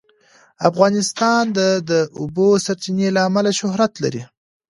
افغانستان د د اوبو سرچینې له امله شهرت لري.